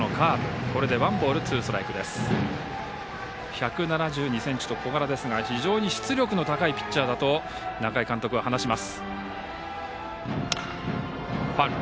１７２ｃｍと小柄ですが非常に出力の高いピッチャーだと中井監督は話します。